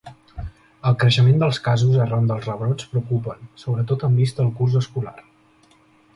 El creixement dels casos arran dels rebrots preocupen, sobretot amb vista al curs escolar.